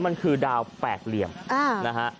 มันคือดาวแปดเหลี่ยมนะฮะ